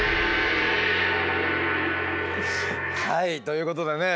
はいということでね